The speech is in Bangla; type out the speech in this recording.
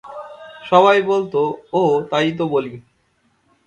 সবাই বলত, ও, তাই তো বলি।